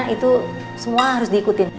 itu semua harus diikutin